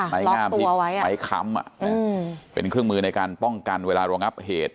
ไม้งามที่ไม้ค้ำเป็นเครื่องมือในการป้องกันเวลารองับเหตุ